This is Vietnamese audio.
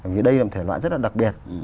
vì đây là một thể loại rất là đặc biệt